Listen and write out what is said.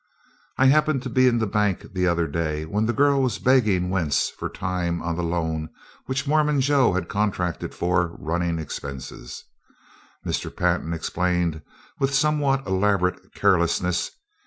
"I happened to be in the bank the other day when the girl was begging Wentz for time on the loan which Mormon Joe had contracted for running expenses," Mr. Pantin explained with somewhat elaborate carelessness.